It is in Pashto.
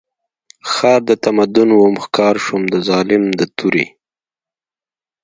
ښار د تمدن وم ښکار شوم د ظالم د تورې